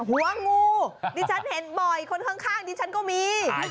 หัวงูดิฉันเห็นบ่อยคนข้างดิฉันก็มี